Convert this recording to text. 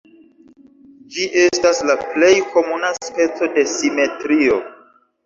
Ĝi estas la plej komuna speco de simetrio.